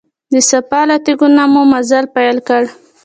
د صفا له تیږو نه مو مزل پیل کړ.